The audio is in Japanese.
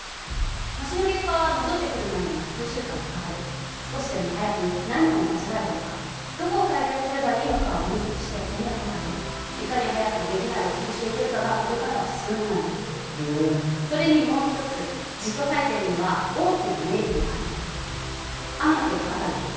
模試の結果は戻ってくるまでには数週間はかかる少しでも早く何を間違えたのかどこを改善すればいいのかを分析して戦略を立てるいかに早くできないを潰していけるかがこれからは必要になるのへそれにもう一つ自己採点には大きなメリットがあるの天野君分かる？